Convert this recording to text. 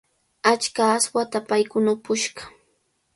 Achka aswata paykuna upushqa.